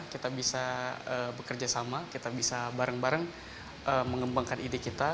kita bisa bekerja sama kita bisa bareng bareng mengembangkan ide kita